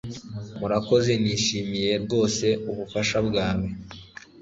Murakoze nishimiye rwose ubufasha bwawe